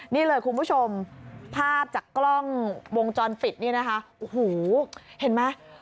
นี่เลยคุณผู้ชมภาพจากกล้องวงจรปิดนี่นะคะโอ้โหเห็นไหม